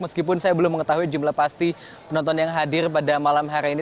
meskipun saya belum mengetahui jumlah pasti penonton yang hadir pada malam hari ini